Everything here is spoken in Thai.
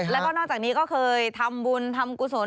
แล้วก็นอกจากนี้ก็เคยทำบุญทำกุศล